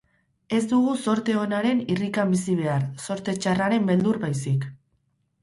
Ez dugu zorte onaren irrikan bizi behar, zorte txarraren beldur baizik.